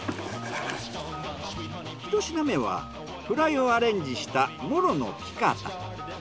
ひと品目はフライをアレンジしたモロのピカタ。